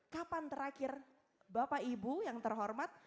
kapan terakhir bapak ibu yang terhormat